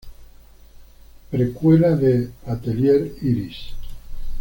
Precuela de "Atelier Iris".